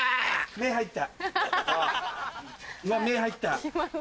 目入った。